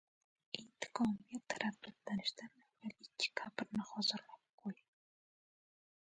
— Intiqomga taraddudlanishdan avval ikki qabrni hozirlab qo‘y.